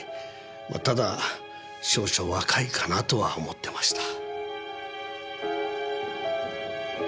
ただ少々若いかなとは思ってました。